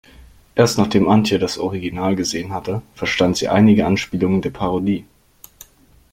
Erst nachdem Antje das Original gesehen hatte, verstand sie einige Anspielungen der Parodie.